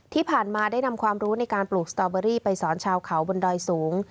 ที่ผ่านมาได้นำความรู้ในการปลูกสตอเบอรี่ไปสอนชาวเขาบนดอยสูง